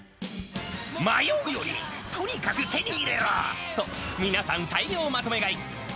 迷うよりとにかく手に入れろと、皆さん、大量まとめ買い。